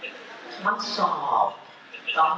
มันก็ไม่ว่าสัตว์ของผมแซ่บอย่างน่ากรวมไปมา